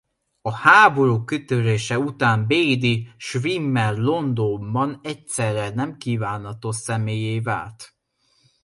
A háború kitörése után Bédy-Schwimmer Londonban egyszerre nemkívánatos személlyé vált.